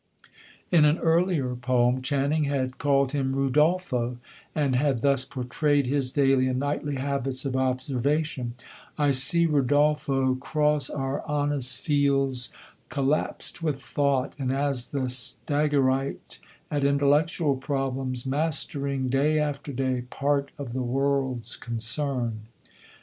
In an earlier poem Channing had called him "Rudolpho," and had thus portrayed his daily and nightly habits of observation: "I see Rudolpho cross our honest fields Collapsed with thought, and as the Stagyrite At intellectual problems, mastering Day after day part of the world's concern.